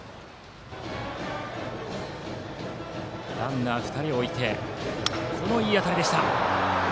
ランナー、２人置いてからのいい当たりでした。